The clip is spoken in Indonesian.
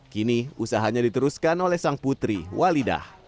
kini usahanya diteruskan oleh sang putri walidah